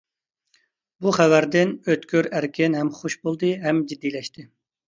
بۇ خەۋەردىن ئۆتكۈر ئەركىن ھەم خۇش بولدى، ھەم جىددىيلەشتى.